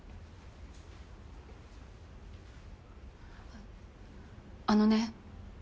あっあのね